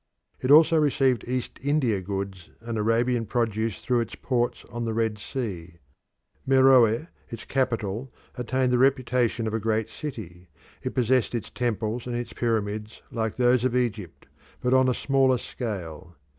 It also received East India goods and Arabian produce through its ports on the Red Sea. Meroe, its capital, attained the reputation of a great city; it possessed its temples and its pyramids like those of Egypt, but on a smaller scale.